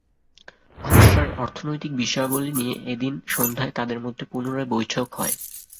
খসড়ার অর্থনৈতিক বিষয়াবলি নিয়ে এদিন সন্ধ্যায় তাদের মধ্যে পুনরায় বৈঠক হয়।